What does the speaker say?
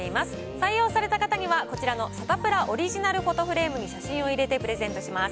採用された方には、こちらのサタプラオリジナルフォトフレームに写真を入れてプレゼントします。